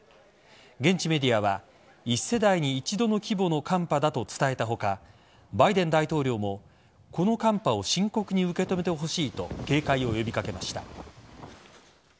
現地メディアは一世代に一度の規模の寒波だと伝えた他バイデン大統領もこの寒波を深刻に受け止めてほしいと警戒を呼び掛けました。